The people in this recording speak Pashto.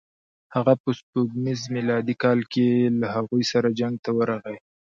هغه په سپوږمیز میلادي کال کې له هغوی سره جنګ ته ورغی.